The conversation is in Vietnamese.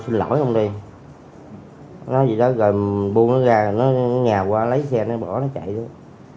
nó nhào qua lấy xe nó bỏ nó chạy thôi